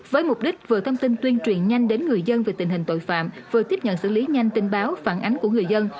với mục đích vừa thông tin tuyên truyền nhanh đến người dân về tình hình tội phạm vừa tiếp nhận xử lý nhanh tin báo phản ánh của người dân